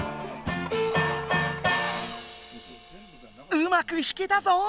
うまく弾けたぞ！